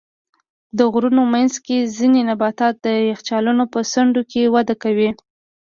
د غرونو منځ کې ځینې نباتات د یخچالونو په څنډو کې وده کوي.